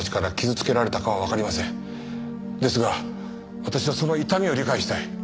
ですが私はその痛みを理解したい。